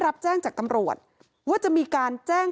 รับแจ้งจากตำรวจว่าจะมีการแจ้ง